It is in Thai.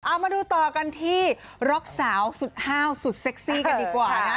เอามาดูต่อกันที่ร็อกสาวสุดห้าวสุดเซ็กซี่กันดีกว่านะ